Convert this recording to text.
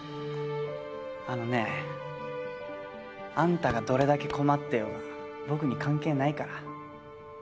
あのねあんたがどれだけ困っていようが僕に関係ないから。